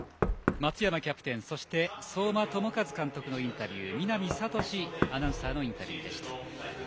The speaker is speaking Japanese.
松山キャプテンそして相馬朋和監督のインタビュー見浪哲史アナウンサーのインタビューでした。